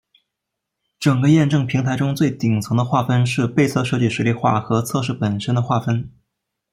整个验证平台中最顶层的划分是被测设计实例化和测试本身的划分。